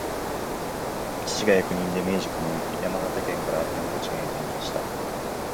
父が役人で、明治九年、山形県から山口県へ転任した